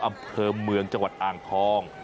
อำเภอเมืองจังหวัดอ่างทอง